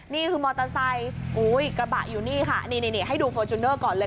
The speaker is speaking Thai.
นี่คือมอเตอร์ไซค์กระบะอยู่นี่ค่ะนี่ให้ดูฟอร์จูเนอร์ก่อนเลย